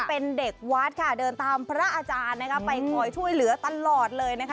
เป็นเด็กวัดค่ะเดินตามพระอาจารย์นะคะไปคอยช่วยเหลือตลอดเลยนะคะ